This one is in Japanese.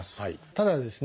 ただですね